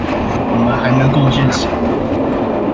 我們還能貢獻什麼？